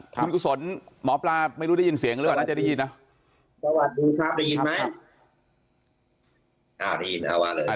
คุณกุศลหมอปลาไม่รู้ได้ยินเสียงหรือเปล่าน่าจะได้ยินนะสวัสดีครับได้ยินไหม